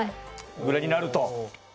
ぐらいになると。